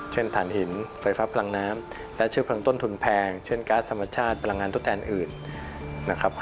เช่นถานหินเฝอไฟฟ้าพลังน้ำแล้วเชื้อเผาะต้นทุนแพงเช่นก๊าซธรรมชาติปลำงานดทุ่นแดนอื่น